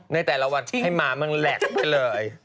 ในแต่ละวันให้หมามันแหลกไปเลย